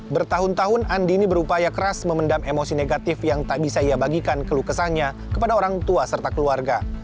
bertahun tahun andini berupaya keras memendam emosi negatif yang tak bisa ia bagikan ke lukesannya kepada orang tua serta keluarga